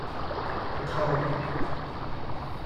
Ka tho.